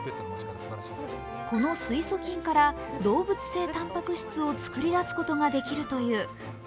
この水素菌から動物性たんぱく質を作り出すことができるという。